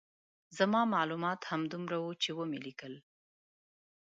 زما معلومات همدومره وو چې ومې لیکل.